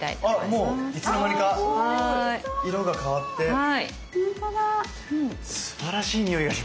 あっもういつの間にか色が変わってすばらしい匂いがします。